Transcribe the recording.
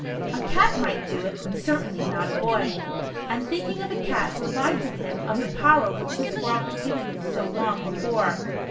A cat mio ht do it, but certainlv not a bov. And thinking of a cat, reminded him of the power which the squirrel had given him so long before.